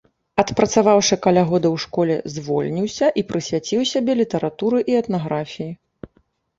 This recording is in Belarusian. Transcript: Адпрацаваўшы каля года ў школе, звольніўся і прысвяціў сябе літаратуры і этнаграфіі.